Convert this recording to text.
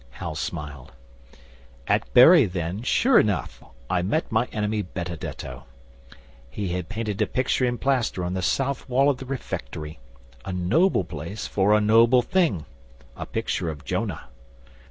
Hal smiled. 'At Bury, then, sure enough, I met my enemy Benedetto. He had painted a picture in plaster on the south wall of the Refectory a noble place for a noble thing a picture of Jonah.